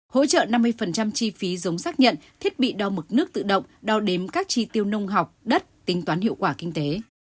hỗ trợ năm mươi chi phí giống xác nhận thiết bị đo mực nước tự động đo đếm các chi tiêu nông học đất tính toán hiệu quả kinh tế